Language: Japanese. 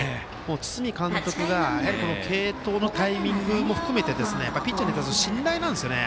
堤監督が継投のタイミングも含めてピッチャーに対する信頼なんですよね。